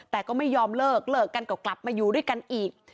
แต่ก็ไม่ยอมเลิกเลิกกันก็กลับมาอยู่ด้วยกันอีก